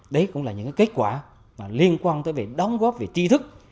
đấy cũng là những kết quả liên quan tới đóng góp về tri thức